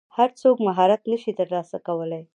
هر څوک مهارت نشي ترلاسه کولی.